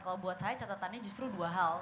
kalau buat saya catatannya justru dua hal